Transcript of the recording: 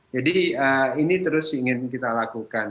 jadi ini terus ingin kita lakukan